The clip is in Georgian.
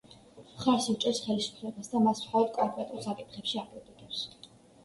მხარს უჭერს ხელისუფლებას და მას მხოლოდ კონკრეტულ საკითხებში აკრიტიკებს.